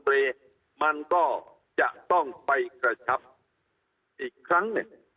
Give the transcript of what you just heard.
มันก็จะต้องไปกระชับอีกครั้งหนึ่ง